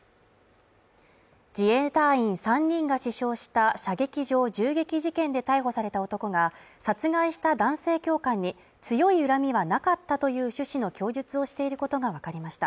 自衛隊員３人が死傷した射撃場銃撃事件で逮捕された男が殺害した男性教官に強い恨みはなかったという趣旨の供述をしていることがわかりました。